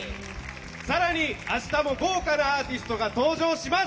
さらに、あしたも豪華なアーティストが登場します。